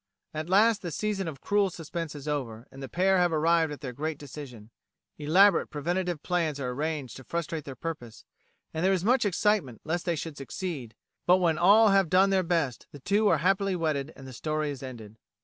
At last the season of cruel suspense is over, and the pair have arrived at their great decision. Elaborate preventive plans are arranged to frustrate their purpose, and there is much excitement lest they should succeed; but when all have done their best, the two are happily wedded and the story is ended.